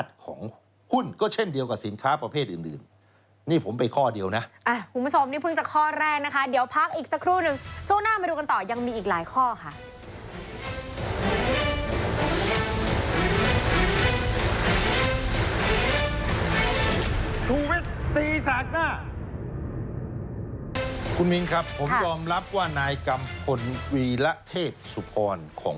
ตีสากหน้าคุณวินครับผมยอมรับว่านายกรรมผลวีละเทศสุภรของ